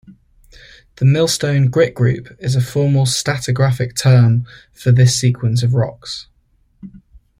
The Millstone Grit Group is a formal stratigraphic term for this sequence of rocks.